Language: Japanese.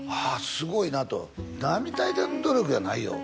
すごいなと並大抵の努力やないよ